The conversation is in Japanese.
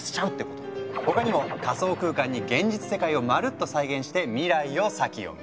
他にも仮想空間に現実世界をまるっと再現して未来を先読み！